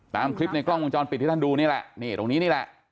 ตามคลิปในกล้องวงจรปิดที่ท่านดูนี่แหละนี่ตรงนี้นี่แหละ